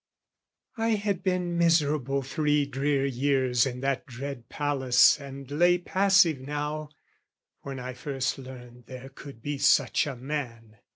I had been miserable three drear years In that dread palace and lay passive now, When I first learned there could be such a man.